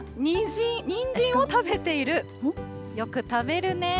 にんじんを食べている、よく食べるねえ。